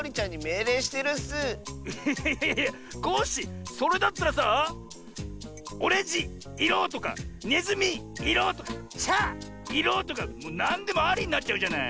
いやいやコッシーそれだったらさあ「オレンジいろ！」とか「ねずみいろ！」とか「ちゃいろ！」とかなんでもありになっちゃうじゃない？